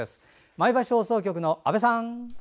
前橋放送局の阿部さん。